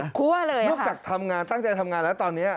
สุดคั่วเลยค่ะนอกจากทำงานตั้งใจทำงานแล้วตอนนี้